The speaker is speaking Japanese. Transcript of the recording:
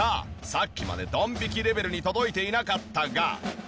さっきまでドン引きレベルに届いていなかったが。